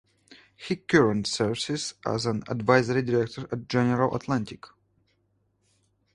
He current serves as an Advisory Director at General Atlantic.